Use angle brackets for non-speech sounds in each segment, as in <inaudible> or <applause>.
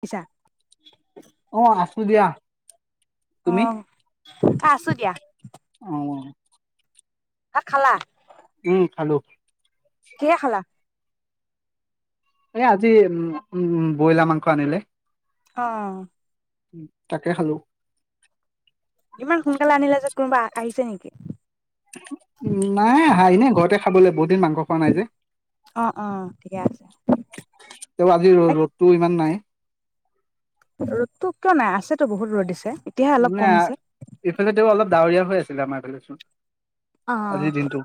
পিছা অ আছো দিয়া অ তুমি আছো দিয়া অ ভাত খালা উম খালো কিহে খালা এ আজি উ উ ব্ৰইলাৰ মাংস আনিলে অহ তাকে খালো ইমান সোনকালে আনিলে যে কোনোবা আহিছে নেকি নাই হাইনে ঘৰতে খাবলৈ বহুত দিন মাংস খোৱা নাই যে অ অ ঠিকে আছে তেওঁ আজি ৰ ৰ'দত ইমান নাই ৰ'দতো কিয় নাই আছেতো বহুত ৰ'দ দিছে এতিয়াহে অলপ ন কমিছে ইফালে অলপ ডাাৱৰীয়া হৈ আছে মাৰছো অ আজিৰ দিনটো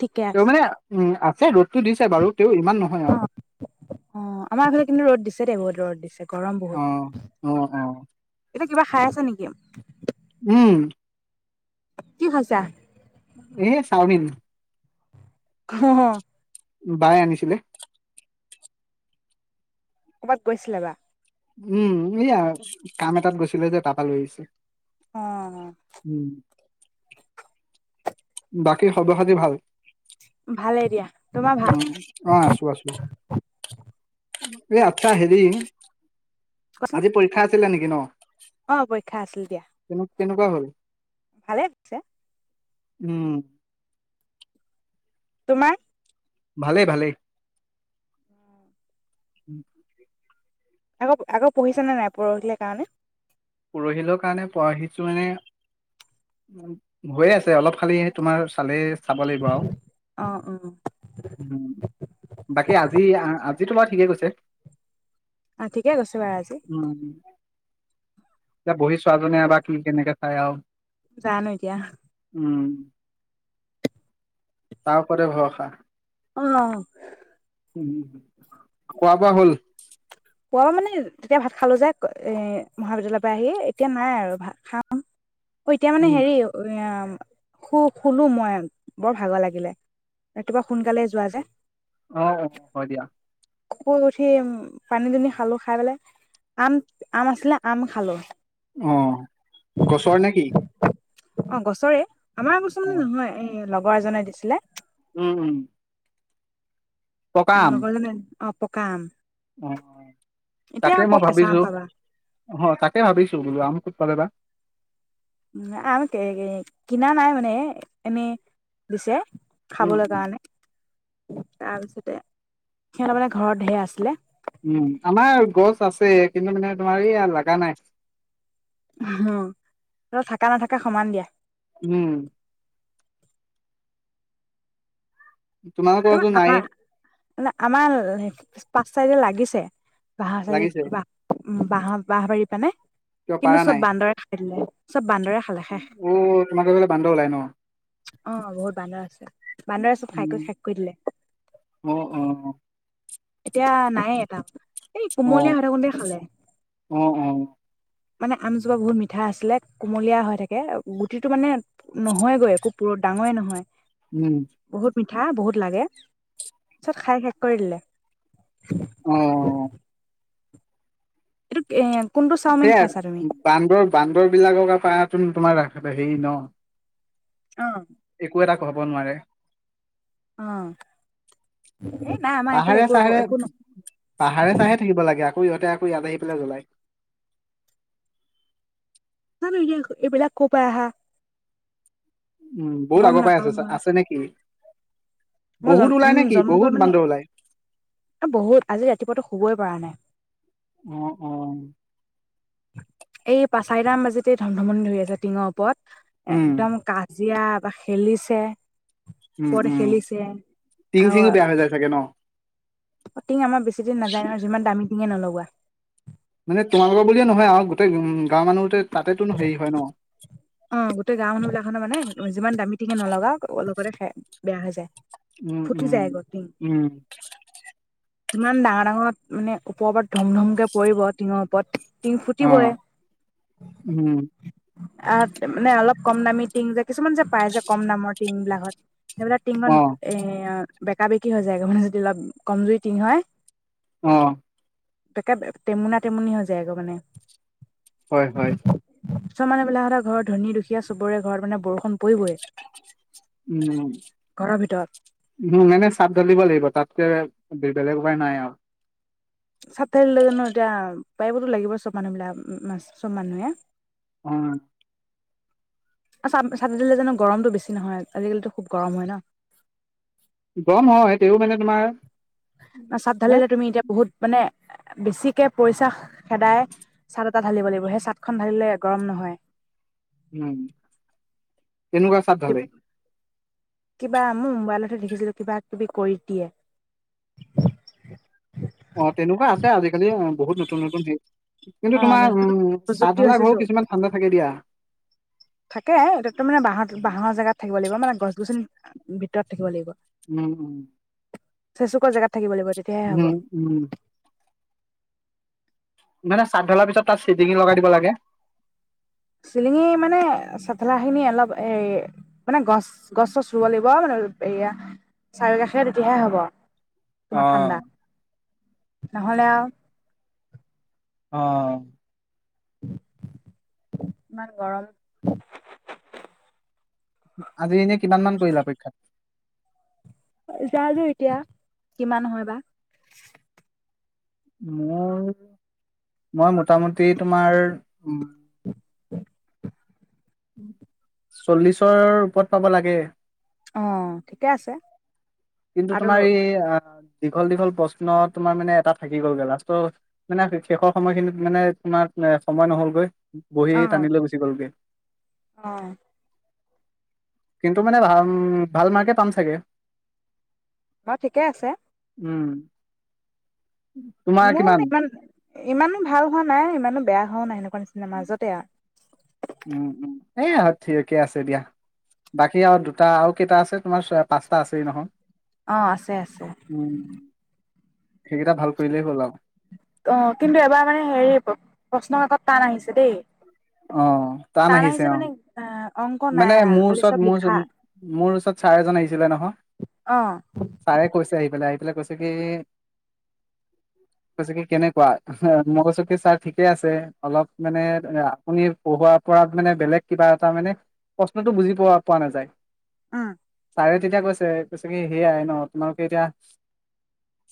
ঠিকে তেওঁ আছে মানে উম যে ৰ'দতটো দিছে বাৰু তেওঁ ইমান নহয় অ অ আৰু আমাৰ আফালে কিন্তু ৰ'দ দিছে দেেই বহুত ৰ'দ দিছে গৰম অ বহুত অ অ কিবা খাই আছে নেকি? উম কি খাইছা। এ চামিন। হ হ বাই আনিছিলে? কৰ'ৰবাত গৈছিলে বা। উম ইয়া কাম এটাত গৈছিলে যে তাপ লৈ আহিছো। আহ বাকী সৰ্বখাতী ভাল। ভালেই দিয়া তোমাৰ উম ভাল। এ আচ্ছা হেৰি কোৱাচোন আজি পৰীক্ষাত। আছিলে নেকি ন অ পৰিক্ষা আছিল দিয়া। কেনে কেনেকুৱা হ'ল। ভালে আছে। উম তোমাৰ ভালেই ভালেই উম আকৌ আকৌ পঢ়িছ নে নাই পৰহিলে কাৰণে পৰহিলৰ কাৰণে পো আহিছো মানে হৈয়ে আছে অলপ খালি তোমাৰ চালে চাব লাগিব আওঁ অ মম বাকী আজি যি তোমাৰ ঠিকে কৈছে। অ ঠিকে কৈছো বাৰু আজি এতিয়া বহি চোৱা জনীয়ে এ বা কি কেনেকে চাই আও জানো এটিয়া উম তাৰ ওপৰতে ভৰসা। অ খোৱা বোৱা হ'ল। পোৱাব মানে তেতিয়া ভাত খালোঁ যে মহাবিদ্যালয়ৰ পৰা আহি এতিয়া নাই আৰু ভাত খাম। অ এতিয়া মানে উম হেৰি হম্ খু শুলো মই বৰ ভাগৰ লাগিলে ৰাতিপুৱা সোনকালেই যোৱা যে অ অ হ দিয়া। হোঁ উঠি পানী দুনি খালো খাই পেলাই আম আম আছিলে আম খালো। অ গছৰ নে কি? অ গছৰে। আমাৰ গছ অ মানে নহয় এ লগ লগৰ এজনে দিছিলে উম উম পকা আম লগৰ জনে অ পকাআম অ তাকে মই কেঁচা আম ভাবিছো পাবা অ তাকে ভাবিছো বোলো আম কত পাল বা আম কিনা নাই মানে এনেই দিছে উম, খাবলৈ কাৰণে তাৰপিছতে সিহঁতৰ মানে ঘৰত ধেৰ আছিলে উম আমাৰ গছ আছে কিন্তু মানে তোমাৰ ইয়া লগা নাই উ হুহ থাক নাথাককা সমান দিয়া উম সিমা তোমালোকৰতো নাইয়ে আমাৰ নে আমাৰ <unintelligible> পাচ চাই যে লাগিছে বাঁহ চইদে লাগিছে উ বাঁহ বহ বাৰী পানে কিয় কিন্তু পাৰা চব নাই, বান্দৰে খাই দিলে চব বান্দৰে খালে শেষ অ' তোমালোকৰ সেইফালে বান্দৰ ওলাই ন? আহ বহুত বান্দৰ আছে। বান্দৰে চব খাইকৈ শেষ দিলে অহ অ এতিয়া নাই এটাও এই কোমলীয়া অ', হৈ থাকোতে খালে অ', অ', মানে আমজোপা বহুত মিঠা আছিলে কুমলীয়া হৈ থাকে গুটিটো মানে নহয়গৈ একো প ডাঙৰেই নহয় উম বহুত মিঠা বহুত লাগে চব খাই শেষ কৰি দিলে উম এইটো কে সেয়া বান্দৰ বান্দৰ বিলাকৰ কাৰনে তোমাৰ ৰা হেৰি ন অহ হ'ব নোৱাৰে অহ পাহাৰে চাহাৰে পাহাৰে চাহে থাকিব লাগে আকৌ সিহঁতে আকৌ ইয়াত আহি পেলাই জলাই ন এইবিলাক কৰপৰা আহে উম বহুত আগৰ পাই আছ আছে নেকি মই বহুত জন্ম ওলাই উম নেকি? জন্ম পোৱা বহুত বান্দৰ ওলাই। মানে বহুত আজি ৰাতিপুৱাতো শুবই পৰা নাই অ, অ এই পাঁচই চাৰিটাম বাজিতে ধম ধমনি ধৰি আছে টিঙৰ ওপৰত উম, একদম কাজ জীয়া বা খেলিছে উম ওপৰতে উম খেলিছে টিং আৰু চিঙো বেয়া হৈ যায় চাগে ন টিং আমাৰ বেছি জি নেজায় মানে যিমান দামী টিংঙে নলগোৱা মানে তোমালোকৰ বুলিয়ে নহয়, আৰু গোটেই উম গাঁৱৰ মানুহতে তাতেতো নো হেৰি হয় ন অ গোটেই গাও মানুহ বিলাকখনৰ মানে যিমান দামী টিঙি নলগাও লগতে খ বেয়া হৈ যায় উম, ফুটি উম, যায় উম ইমান ডাঙৰ- ডাঙৰ মানে ওপৰ -ওপৰত ধুম ধুমকে পৰিব টিঙৰ ওপৰত টিং অ ফুটিবই উম আহ', মানে অলপ কম দামী টিং যে কিছুমান যে পাই যে কম দামৰ টিং বিলাক হয়াত সেইবিলাক টমান অ এ', বেকা বেকি হৈ যায় মানে যদি অলপ কমজুৰি টিঙ হয়। আহ', তাকে টেমুনা টেমুনি হৈ যায়গৈ মানে। হয় হয় ছানেবিলাক এ', ঘৰ ধনী দুখীয়া চবৰে ঘৰত মানে বৰু পৰিবই উম', ঘৰৰ ভিতৰত - উম ', এনে চাপ ঢালিব লাগিব তাতকে বি বলে কাই নাই আৰু চাত তাৰিলৈ জানো এতিয়া পাৰিবতো লাগিব চব মানুহ বিলাক মাছ, চব মানুহে অ', ছাটডিলে জানো গৰমটো বেছি নহয় আজিকালি তো খুব গৰম হয় ন। গমৰ হয় তেও মানে তোমাৰ ন' চাদ নে ঢালিলে তুমি এতিয়া বহুত মানে বেছিকে পইচা খেদাই চাদ এটা ঢালিব লাগিব সেই চাদখন ঢালিলে গৰম নহয়। উম', এনেকুৱা স্বাদ ধালে কিবা মই মোবাইলতহে দেখিছিলো কিবা কিবি কৰি দিয়ে। কি খালি বহুত নতুন -নতুন কিন্তু তোমাৰ উম', চাত চাদ প্ৰযুক্তি ধালা হৈছে ঘৰো যো কিছুমান ঠাণ্ডা থাকে দিয়া। থাকে এতিাততো মানে বাহৰ -বাঁহৰ জেগাত থাকিব লাগিব মানে গছ গছনি ভিতৰত থাকিব লাগিব। উম', - উম', চেচুকৰ জেগাত থাকিব লাগিব। তেতিয়াহে হ'ব উম', - উম', মানে চাট ধলাৰ পিছত তাত চিটিঙি লগাই দিব লাগে। চিলিঙি মানে চঠেলা খিনি অলপ এ', মানে গছ গছছ ৰুব লাগিব মানে এয়া', চাৰি কাষে তেতিয়াহে হব। অ তোমাৰ ঠাণ্ডা নহলে আৰু? অ', ইমান গৰম? আজি এনেক কিমান মান পৰিলা পৰীক্ষাত? যা', যো এতিয়া কিমানহয় বা? মোৰ মই মোটামুটি তোমাৰ উ', চল্লিশৰ ওপৰত পাব লাগে। অ', ঠিকে আছে। কিন্তু আৰু তোমাৰ এই আ', দীঘল-দীঘল প্ৰশ্ন তোমাৰ মানে এটা থাকি গ'লগৈ লাষ্টৰ মানে শেষৰ সময়খিনিত মানে তোমাৰ এ সময় নহলগৈ। বহি অ টানি লৈ গুচি গ'লগৈ। অ, কিন্তু মানে ভাল উ ভাল মাৰ্কে পাম চাগে? উম, ঠিকে আছে। উম, তোমাৰ মোৰ কিমান? ইমান ইমানো ভাল হোৱা নাই ইমানো বেয়া হোৱাও নাই এনেকুৱা। নিচিনা মাজতে আৰু। এ ঠিককে আছে দিয়া বাকী আৰু দুটা আৰু কেইটা আছে তোমাৰ পাঁচটা আছেই নহয়। অঁ, আছে-আছে। উম সেইকেইটা ভাল কৰিলেই হ'ল আৰু অ', কিন্তু এবাৰ মানে হেৰি প্ৰশ্ন কাক টান আহিছে দেই। অ', টান আহিছে অ', মানে অংক নাই মানে আহা মোৰ খালি ওচৰত চব মোৰ লিখা ওচৰত, মোৰ ওচৰত ছাৰ এজন আহিছিলে নহয় অ ছাৰে কৈছে আহি পেলাই। আ কৈছে কি কৈছে কি কেনেকুৱা? মই কৈছো কি ছাৰ ঠিকে আছে অলপ মানে আপুনি পঢ়োৱাৰ পৰা মানে বেলেগ কিবা এটা মানে? প্ৰশ্নতটো বুজি পোৱা পোৱা নাযায়। উম, ছাৰে তেতিয়া কৈছে-কৈছে কি সেয়াই ন তোমালোকে এতিয়া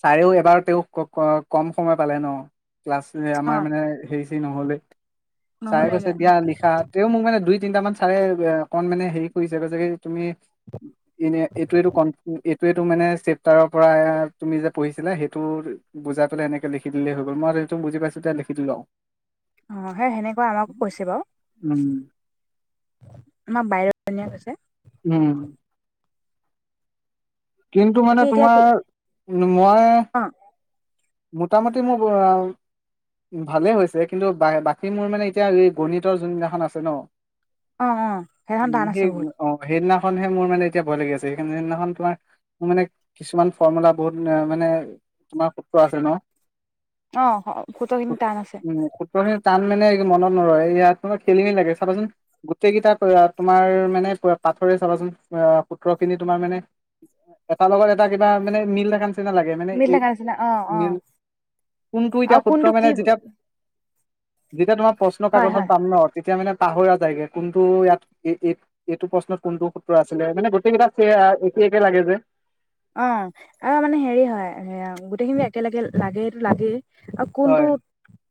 ছাৰেও এবাৰ তেওঁ কম সময় পালে ন। ক্লাছ আমাৰ মানে হে নহ'লে চাই নহলেগে কৈছে দিয়া লিখা তেওঁ মোক মানে দুই তিনটা মান চাৰে অকন মানে হেৰি কৰিছে কৈছেগে তুমি, এনে এইটো-এইটো ক ত এইটো মানে চেপ্টাৰৰ পৰা তুমি, যে পঢ়িছিলা সেইটো বুজাই পেলাই সেনেকৈ লিখি দিলেই হৈ গ'ল। মই সেইটো বুজি পাইছোঁ তেতিয়া লিখি লওঁ। অ', সেই সেনে আমাকো কৈছে বাৰু উম আমাৰ বাই এজনীয়ে কৈছে। উম, কিন্তু মানে বাকী এতিয়া তোমাৰ কি মই অ মোটামুটি মোৰ ভালেই হৈছে, কিন্তু বাকী মোৰ মানে এতিয়া এই গণিতৰ যোনদিনাখন আছে ন? অ অ সেইখন উম, টান আছে সেই বহুত অ', স ন খহে মোৰানে এতিয়ায় লাগি আছে সেইদিনাখন তুমাৰ। মোৰ মানে কিছুমান ফৰ্মুলা বহুত মানে তোমাৰ সূত্ৰ আছে ন। অ', সূত্ৰ খিনি সূত- টান আছে। উম সূত্ৰখিনি টান মানে এ মনত নৰয়, ইয়াত মানে খেলি মেলি লাগে চাবাচোন, গোটেইগিটা তোমাৰ মানে পোৰা পাথৰে চাবাচোন আহ সূত্ৰ খিনি তোমাৰ মানে এটাৰ লগত এটা কিবা মানে মিল দেখা নিচিনা নালাগে মানে মিল এই থকা নিচিনা অ অ মেইন আৰু কোনটো এতিয়া সূত্ৰ কোনটো মানে কি যেতিয়া যেতিয়া তোমাক প্ৰশ্ন হয় কাকত হয় খন পাম ন, তেতিয়া মানে পাহৰা যায়গে কোনটো ইয়াত এই এইটো প্ৰশ্নত কোনটো সূত্ৰ আছিলে মানে গোটেইকেইটা‌ত আছেই আ এইকে লাগে যে অঁ অঁ আৰু মানে হেৰি হয়, সেই গোটেইখিনি একেলগে লাগেইটো লাগেই অ হয় কোনটো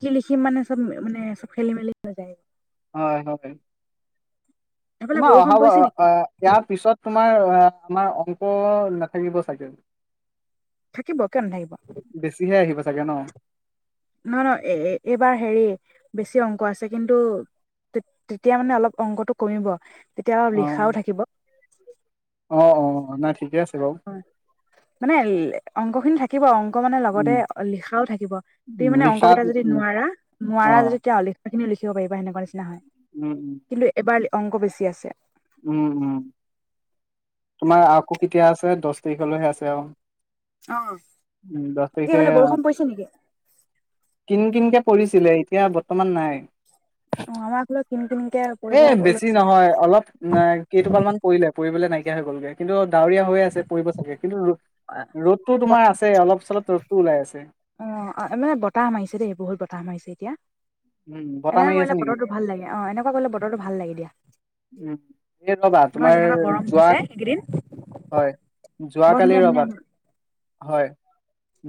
লি লিখি মানে, চব মানে চব খেলি মেলি হৈ যায় হয় হয় সেইফালে তোমাৰ বৰষুণ অহাবাৰ পৰিছে নেকি এ ইয়াৰ পিছত তোমাৰ আমাৰ অংক নাথাকিব চাগে থাকিব কিয় নাথাকিব বেছিহে আহিব চাগে ন নহ নহ এ এ এইবাৰ হেৰি বেছি অংক আছে, কিন্তু তেতিয়া মানে অলপ অংকটো কমিব তেতিয়া অলপ লিখাও থাকিব অঁ অঁ নাই ঠিকে আছে বাৰু হয় মানে এ অংক খিনি থাকে কিবা অংক অংক মানে লগতে উম লিখাও থাকিব তুমি উম, মানে লিখাত অংকেইটা যদি উম, নোৱাৰা অ নোৱাৰা যদি তেতিয়া অলিখ সেখিনি লিখিব পাৰিবা সেনেকোৱা নিচনা হয় উম উম কিন্তু এবালে অংক বেছি আছে উম উম তোমাৰ আকৌ কেতিয়া আছে দচ তাৰিখলৈহে আছে আও অ উ দচ তাৰিখে এইফালে বৰষুণ পৰিছে নেকি কিন কিনকে পৰিছিলে এতিয়া বৰ্তমান নাই অ আমাৰ ফালে কিনকিনকে পৰিব লৈছে নাই কেইটোপাল মান পৰিলে পৰি সি বোলে নাইকীয়া হৈ গলগে কিন্তু ডাৱৰীয়া হৈ আছে পৰিব চাগে কিন্তু অআ ৰ'দটো তোমাৰ বতা আছে অলপ চলপ ৰ'দটো ওলাই আছে অ অ মানে বতাহ মাৰিছে দেই বহুত বতাহ মাৰিছে এতিয়া উম, বতাহ এনকা মাৰি আছে কৰিলে নেকি? বতৰটো ভাল লাগে অঁ এনেকুৱা কৰিলে বতৰটো ভাল লাগে দিয়া উম, এই ৰ'বা নহয় তোমাৰ যেনেকুৱা গৰম যোৱা হৈছে সেইকেইদিন যোৱা কালিৰ ৰবাত হয়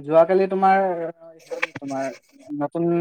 যোৱাকালি তোমাৰ হেৰি তোমাৰ নতুন